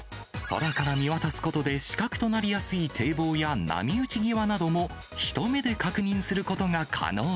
空から見渡すことで、死角となりやすい堤防や波打ち際なども、一目で確認することが可